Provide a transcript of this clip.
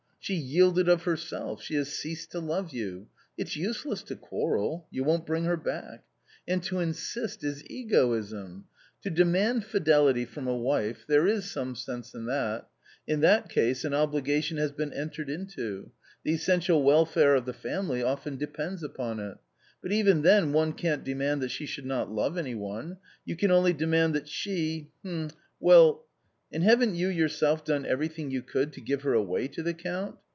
She yielded of herself, she has ceased to love you — it's useless to quarrel — you won't bring her back ! And to insist — is egoism ! To demand fidelity from a wife — there is some sense in that ; in that case an obligation has been entered into ; the essential welfare of the family often depends on it ; but even then one can't demand that she should not love any one — you can only demand that she — hm, well .... And haven't you yourself done everything you could to give her away to the Count